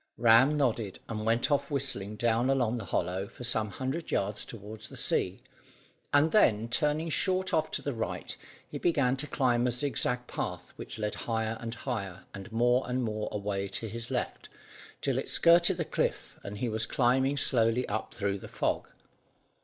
Ram nodded and went off whistling down along the hollow for some hundred yards toward the sea, and then, turning short off to the right, he began to climb a zigzag path which led higher and higher and more and more away to his left till it skirted the cliff, and he was climbing slowly up through the fog.